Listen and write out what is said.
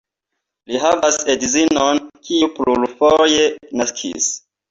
Li havas edzinon, kiu plurfoje naskis.